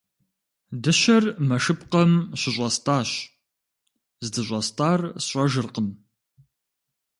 Дыщэр мэшыпкъэм щыщӏэстӏащ, здыщӏэстӏар сщӏэжыркъым.